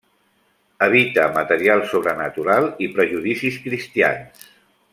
Evita material sobrenatural i prejudicis cristians.